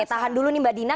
oke tahan dulu nih mbak dina